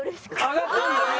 上がったんだね。